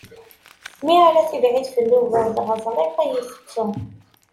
Mi ara tibɛid fell-i ugar dɣa ẓriɣ ad iyi-tettu maḍi.